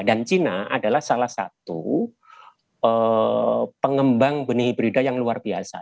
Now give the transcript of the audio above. dan china adalah salah satu pengembang benih hibrida yang luar biasa